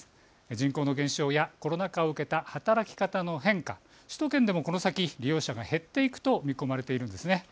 人口の減少やコロナ禍を受けた働き方の変化、首都圏でもこの先利用者が減っていくと見込まれているんです。